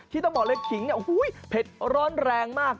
ที่ต้องบอกเลยขิงเผ็ดร้อนแรงมาก